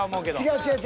［違う違う］